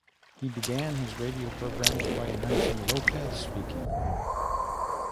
He began his radio programs by announcing Lopez speaking!